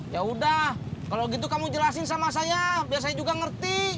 ya udah kalau gitu kamu jelasin sama saya biasanya juga ngerti